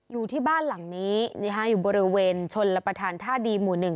อยู่ที่บ้านหลังนี้อยู่บริเวณชนรับประทานท่าดีหมู่๑